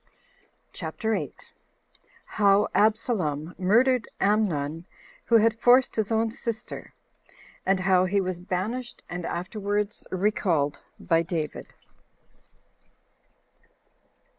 CHAPTER 8. How Absalom Murdered Amnon, Who Had Forced His Own Sister; And How He Was Banished And Afterwards Recalled By David.